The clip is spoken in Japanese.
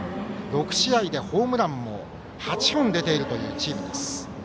６試合でホームランも８本出ているというチームです。